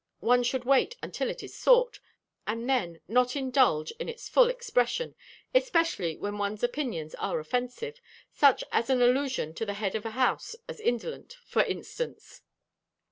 "One should wait until it is sought, and then not indulge in its full expression, especially when one's opinions are offensive such as an allusion to the head of a house as indolent, for instance.